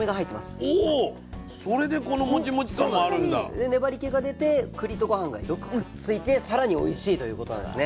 で粘りけが出てくりとごはんがよくくっついて更においしいということなんですね。